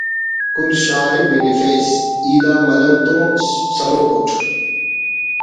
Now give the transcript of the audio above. کل شار ءِ بنفیس ای دا ملنگ تون سلوک اٹ